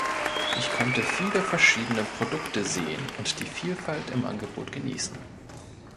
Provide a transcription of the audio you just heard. Ich konnte viele verschiedene Produkte sehen und die Vielfalt im Angebot genießen.